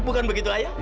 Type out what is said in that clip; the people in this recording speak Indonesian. bukan begitu ayah